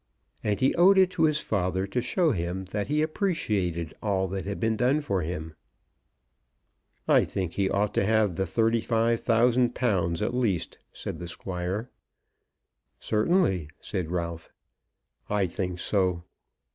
And he owed it to his father to show him that he appreciated all that had been done for him. "I think he ought to have the £35,000 at least," said the Squire. "Certainly," said Ralph. "I think so.